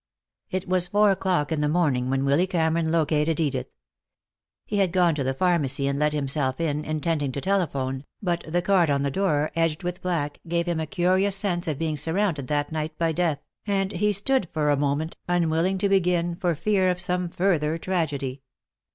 It was four o'clock in the morning when Willy Cameron located Edith. He had gone to the pharmacy and let himself in, intending to telephone, but the card on the door, edged with black, gave him a curious sense of being surrounded that night by death, and he stood for a moment, unwilling to begin for fear of some further tragedy.